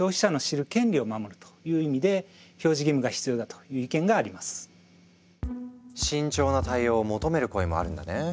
そういった意味からも慎重な対応を求める声もあるんだね。